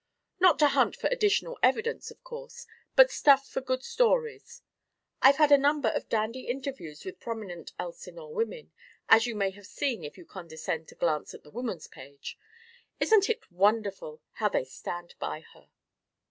"Not to hunt for additional evidence, of course, but stuff for good stories. I've had a number of dandy interviews with prominent Elsinore women, as you may have seen if you condescend to glance at the Woman's Page. Isn't it wonderful how they stand by her?"